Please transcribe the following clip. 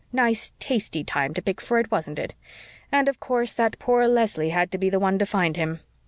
Nice, tasty time to pick for it, wasn't it? And, of course, that poor Leslie had to be the one to find him.